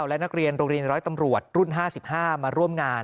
และนักเรียนโรงเรียนร้อยตำรวจรุ่น๕๕มาร่วมงาน